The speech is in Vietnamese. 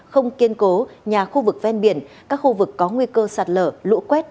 không kiên cố nhà khu vực ven biển các khu vực có nguy cơ sạt lở lũ quét